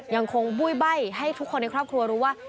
บุ้ยใบ้ให้ทุกคนในครอบครัวรู้ว่า